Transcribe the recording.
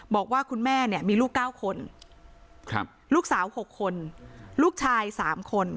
บอกว่าคุณแม่เนี่ยมีลูก๙คนลูกสาว๖คนลูกชาย๓คน